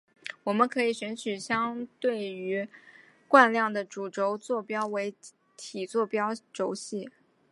我们可以选取相对于惯量的主轴坐标为体坐标轴系。